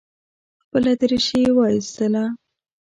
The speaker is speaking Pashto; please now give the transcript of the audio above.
خپله درېشي یې وایستله.